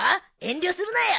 遠慮するなよ。